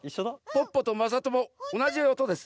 ポッポとまさともおなじおとです。